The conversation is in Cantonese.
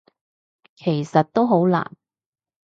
其實都好難